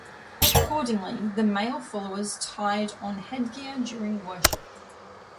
Accordingly, the male followers tied on headgear during worship.